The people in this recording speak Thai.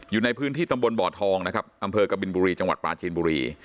อยู่ในพื้นที่ตำบลบ่อทองนะครับอำเภอกบินบุรีจังหวัดปลาจีนบุรี